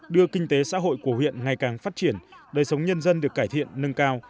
đưa kinh tế xã hội của huyện ngày càng phát triển đời sống nhân dân được cải thiện nâng cao